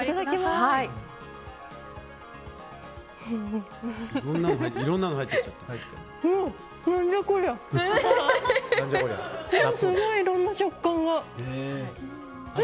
すごい、いろんな食感が。